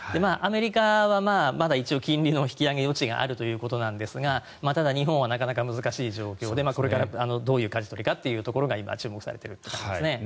アメリカはまだ一応金利の引き上げ余地があるということですがただ日本はなかなか難しい状況でこれからどういうかじ取りかということが今、注目されている感じですね。